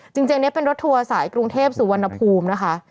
จริงนี้เป็นรถทัวร์สายกรุงเทพสุวรรณภูมินะคะ